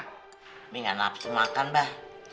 umi ga nafsu makan bah